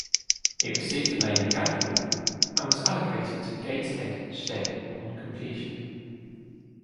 It received the name "Gadwall", and was allocated to Gateshead shed on completion.